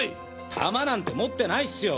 弾なんて持ってないっスよ！